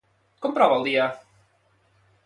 Com prova el dia?